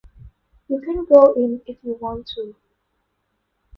You can go in if you want to.